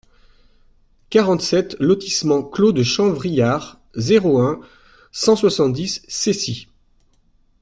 quarante-sept lotissement Clos de Champ-Vrillard, zéro un, cent soixante-dix Cessy